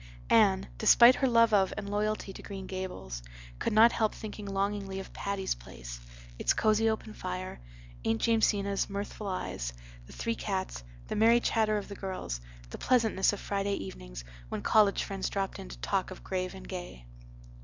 Anne, despite her love of and loyalty to Green Gables, could not help thinking longingly of Patty's Place, its cosy open fire, Aunt Jamesina's mirthful eyes, the three cats, the merry chatter of the girls, the pleasantness of Friday evenings when college friends dropped in to talk of grave and gay.